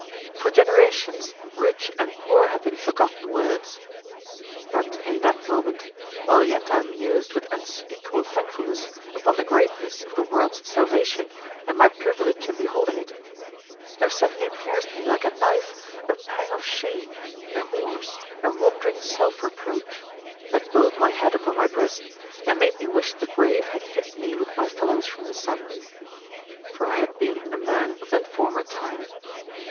For generations, rich and poor had been forgotten words. But in that moment, while yet I mused with unspeakable thankfulness upon the greatness of the world's salvation and my privilege in beholding it, there suddenly pierced me like a knife a pang of shame, remorse, and wondering self reproach, that bowed my head upon my breast and made me wish the grave had hid me with my fellows from the sun. For I had been a man of that former time.